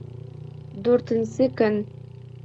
Дүртенсе көн